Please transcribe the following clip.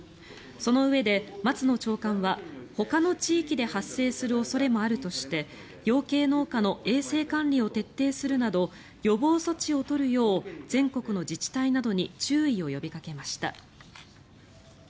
そのうえで、松野長官はほかの地域で発生する恐れもあるとして養鶏農家の衛生管理を徹底するなど予防措置を取るよう全国の自治体などに注意を呼びかけました。